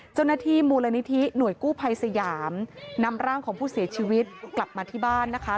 เจ้าหน้าที่มูลนิธิหน่วยกู้ภัยสยามนำร่างของผู้เสียชีวิตกลับมาที่บ้านนะคะ